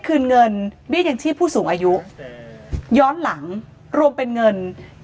คืนเงินเบี้ยยังชีพผู้สูงอายุย้อนหลังรวมเป็นเงิน